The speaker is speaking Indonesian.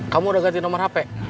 kamu udah ganti nomor hp